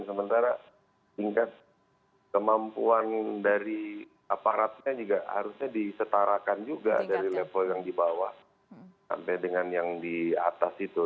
sementara tingkat kemampuan dari aparatnya juga harusnya disetarakan juga dari level yang di bawah sampai dengan yang di atas itu